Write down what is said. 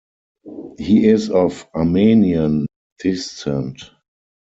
He is of Armenian descent.